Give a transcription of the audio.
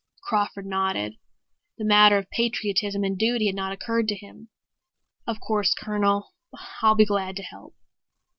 Crawford nodded. The matter of patriotism and duty had not occurred to him. "Of course, Colonel, I'll be glad to help."